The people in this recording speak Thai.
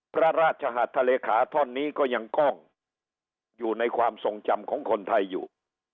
พระราชหัสทะเลขาท่อนนี้ก็ยังกล้องอยู่ในความทรงจำของคนไทยอยู่